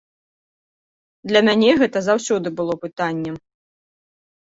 Для мяне гэта заўсёды было пытаннем.